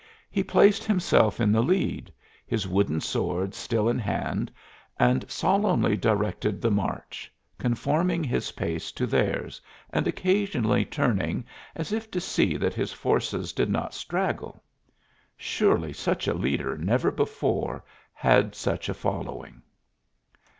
He placed himself in the lead, his wooden sword still in hand, and solemnly directed the march, conforming his pace to theirs and occasionally turning as if to see that his forces did not straggle. Surely such a leader never before had such a following.